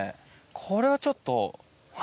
これはちょっと。